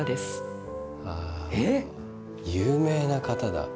あ有名な方だ。